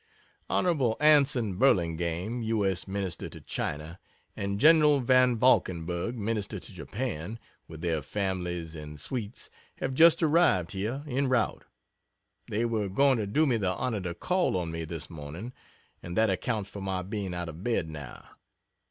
Hon. Anson Burlingame, U. S. Minister to China, and Gen. Van Valkenburgh, Minister to Japan, with their families and suites, have just arrived here en route. They were going to do me the honor to call on me this morning, and that accounts for my being out of bed now.